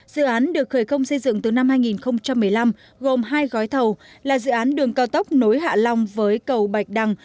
dự án được khởi công xây dựng từ năm hai nghìn một mươi năm gồm hai gói thầu là dự án đường cao tốc nối hạ long với cầu bạch đăng